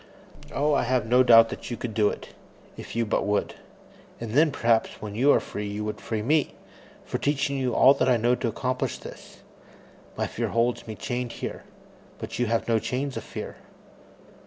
"Oh, I have no doubt that you could do it, if you but would. And then, perhaps, when you are free, you would free me for teaching you all I know to accomplish this. My fear holds me chained here, but you have no chains of fear."